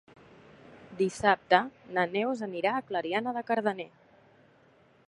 Dissabte na Neus anirà a Clariana de Cardener.